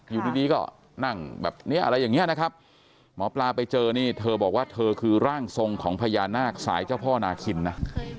อยู่ดีก็นั่งแบบนี้อะไรอย่างนี้นะครับหมอปลาไปเจอนี่เธอบอกว่าเธอคือร่างทรงของพญานาคสายเจ้าพ่อนาคินนะ